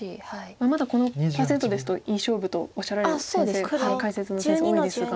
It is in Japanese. まだこのパーセントですといい勝負とおっしゃられる解説の先生多いですが。